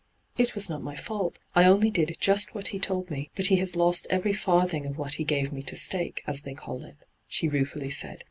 ' It was not my feult. I only did just what he told me ; but he has lost every &rthing of what he gave me to stake, as they call it,' she ruefully said.